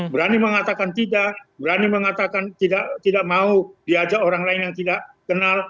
berani mengatakan tidak berani mengatakan tidak mau diajak orang lain yang tidak kenal